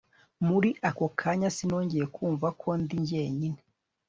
muri ako kanya, sinongeye kumva ko ndi jyenyine